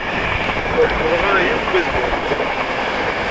Ur ḥemmleɣ ara yakk baseball.